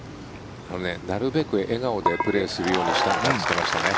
なるべく笑顔でプレーするようにしていると言っていました。